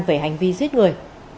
về hành vi giết người